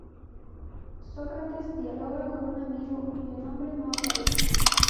Sócrates dialoga con un amigo, cuyo nombre no aparece.